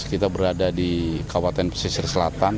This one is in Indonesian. kita berada di kabupaten pesisir selatan